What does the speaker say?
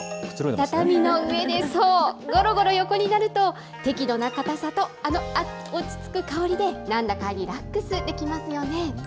畳の上でそう、ごろごろ横になると、適度な硬さと、あの落ち着く香りで、なんだかリラックスできますよね。